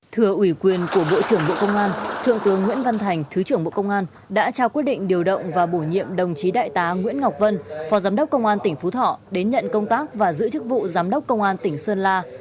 thừa ủy quyền của bộ trưởng bộ công an thượng tướng nguyễn văn thành thứ trưởng bộ công an đã trao quyết định điều động và bổ nhiệm đồng chí đại tá nguyễn ngọc vân phó giám đốc công an tỉnh phú thọ đến nhận công tác và giữ chức vụ giám đốc công an tỉnh sơn la